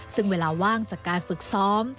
ซึ่งเวลาว่างจากการฝึกซ้อม